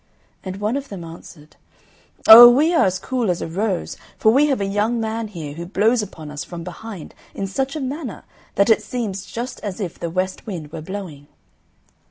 And one of them answered, "Oh, we are as cool as a rose; for we have a young man here who blows upon us from behind in such a manner that it seems just as if the west wind were blowing."